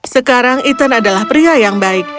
sekarang ethan adalah pria yang baik